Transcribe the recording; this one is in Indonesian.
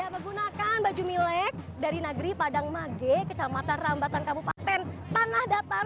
menggunakan baju milik dari nagri padang mage kecamatan rambatan kabupaten tanah datar